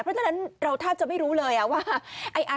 เพราะฉะนั้นเราแทบจะไม่รู้เลยว่า